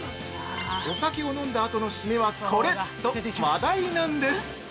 「お酒を飲んだあとのシメはコレ」と話題なんです。